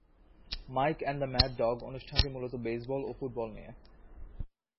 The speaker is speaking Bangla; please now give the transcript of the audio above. "Mic and the mad dog" অনুষ্ঠানটি মূলত বেসবল ও ফুটবল নিয়ে।